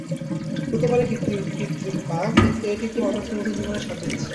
হতে পারে কৃত্রিম পা, কিন্তু এটি একটি মানুষকে নতুন জীবনের স্বাদ দিচ্ছে।